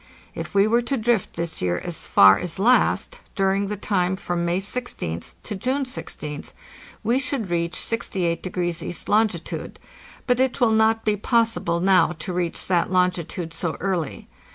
If we were to drift this year as far as last, during the time from May 16th to June 16th, we should reach 68° east longitude, but it will not be possible now to reach that longitude soearly.